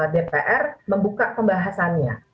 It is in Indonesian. dpr membuka pembahasannya